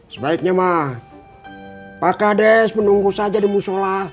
sebaiknya mah pak kades menunggu saja di musola